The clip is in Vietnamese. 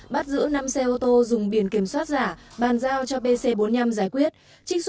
bắt giữ năm xe ô tô dùng biển kiểm soát giả bàn giao cho pc bốn mươi năm giải quyết